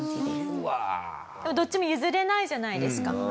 でもどっちも譲れないじゃないですか。